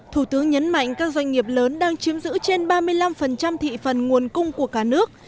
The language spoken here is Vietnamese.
thủ tướng nhấn mạnh các doanh nghiệp lớn đang chiếm giữ trên ba mươi năm thị phần nguồn cung của cả nước